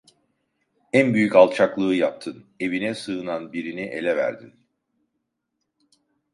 En büyük alçaklığı yaptın, evine sığınan birini ele verdin!